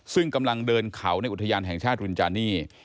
ซึ่งกำลังเดินเขาในอุทยานแห่งชาติรุนจานี่